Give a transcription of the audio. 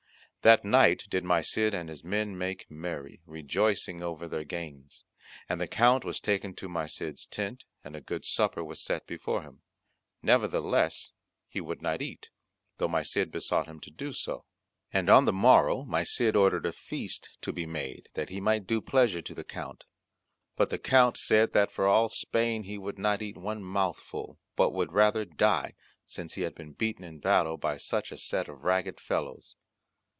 That night did my Cid and his men make merry, rejoicing over their gains. And the Count was taken to my Cid's tent, and a good supper was set before him; nevertheless he would not eat, though my Cid besought him so to do. And on the morrow my Cid ordered a feast to be made, that he might do pleasure to the Count, but the Count said that for all Spain he would not eat one mouthful, but would rather die, since he had been beaten in battle by such a set of ragged fellows.